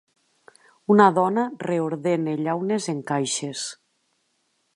Una dona reordena llaunes en caixes.